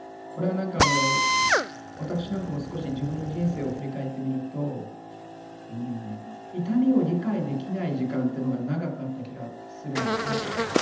これは何か私なんかも少し自分の人生を振り返ってみると痛みを理解できない時間っていうのが長くあった気がするんですね。